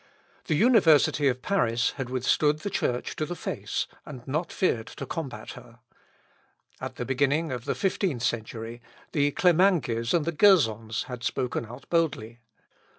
The University of Paris had withstood the Church to the face, and not feared to combat her. At the beginning of the fifteenth century, the Clemangis and the Gersons had spoken out boldly.